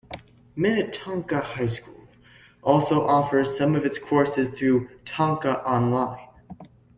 Minnetonka High School also offers some of its courses through Tonka Online.